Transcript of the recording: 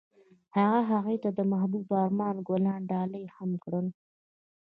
هغه هغې ته د محبوب آرمان ګلان ډالۍ هم کړل.